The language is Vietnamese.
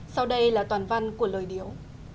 sau đây là toàn văn của lời điếu